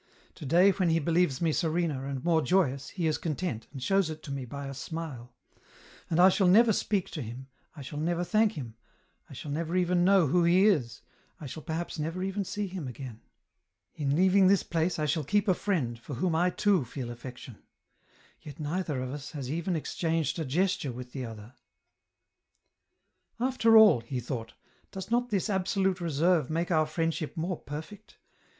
To da> when he believes me serener, and more joyous, he is content, and shows it to me by a smile ; and I shall never speak to him, I shall never thank him, I shall never even know who he is, I shall perhaps never even see him again. " In leaving this place, I shall keep a friend, for whom I too feel affection ; yet neither of us has even exchanged a gesture with the other. " After all," he thought, " does not this absolute reserve make our friendship more perfect